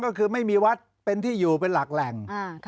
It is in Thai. ก็คือไม่มีวัดเป็นที่อยู่เป็นหลักแหล่ง